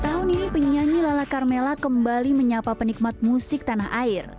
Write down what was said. tahun ini penyanyi lala carmella kembali menyapa penikmat musik tanah air